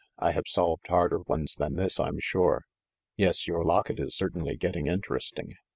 I have solved harder ones than this, I'm sure. Yes, your locket is certainly getting inter esting.